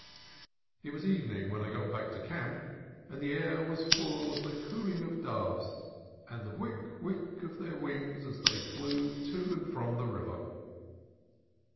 It was evening when I got back to camp, and the air was full of the cooing of doves and the whick, whick, of their wings as they flew to and from the river.